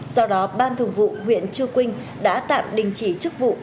do đó ban thường vụ huyện chư quynh đã tạm đình chỉ chức vụ